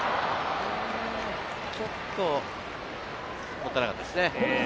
ちょっともったいなかったですね。